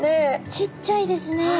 ちっちゃいですね。